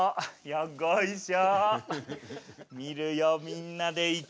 よっこいしょ。